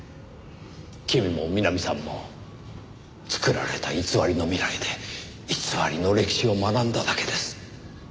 君も美波さんも作られた偽りの未来で偽りの歴史を学んだだけです。